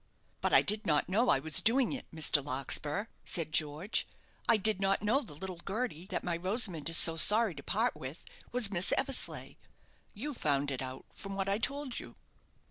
"But I did not know I was doing it, Mr. Larkspur," said George. "I did not know the little Gerty that my Rosamond is so sorry to part with, was Miss Eversleigh; you found it out, from what I told you."